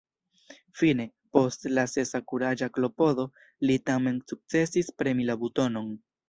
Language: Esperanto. Fine, post la sesa kuraĝa klopodo, li tamen sukcesis premi la butonon.